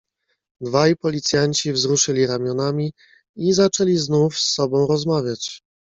"Dwaj policjanci wzruszyli ramionami i zaczęli znów z sobą rozmawiać."